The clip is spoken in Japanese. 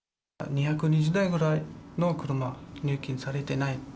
２２０台ぐらいの車、入金されてない。